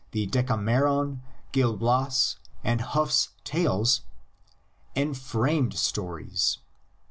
the Decameron., Gil Bias, and Hauff's Tales — "enframed stories."